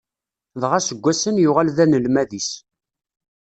Dɣa seg wass-n yuɣal d anelmad-is.